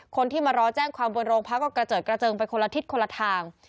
คนที่มารอแจ้งความบนโรงพักก็กระเจิดกระเจิงไปคนละทิศคนละทาง